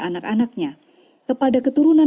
anak anaknya kepada keturunan